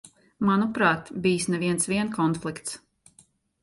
Manuprāt, bijis ne viens vien konflikts.